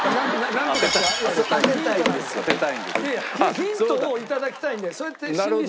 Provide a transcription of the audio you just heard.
ヒントを頂きたいんでそうやって心理戦なんです。